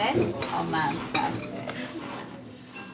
お待たせ。